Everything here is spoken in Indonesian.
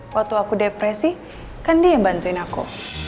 waktu aku depresi kan dia yang bantuin aku